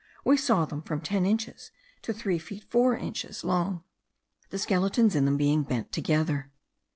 We saw them from ten inches to three feet four inches long, the skeletons in them being bent together.